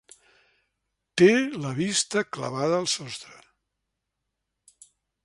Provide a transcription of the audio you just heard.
Té la vista clavada al sostre.